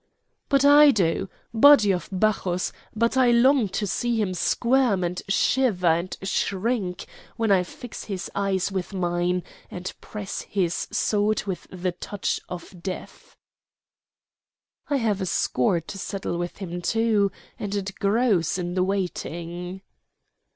"But I do. Body of Bacchus, but I long to see him squirm and shiver and shrink when I fix his eyes with mine and press his sword with the touch of death." "I have a score to settle with him, too, and it grows in the waiting."